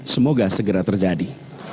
semoga segera terjadi